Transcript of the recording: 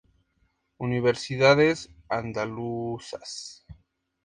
Universidades andaluzas.